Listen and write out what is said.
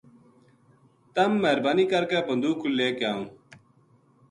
تم مہربانی کر کے بندوق لے کے آؤں